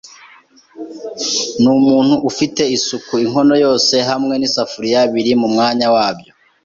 Ni umuntu ufite isuku. Inkono yose hamwe nisafuriya biri mumwanya wabyo.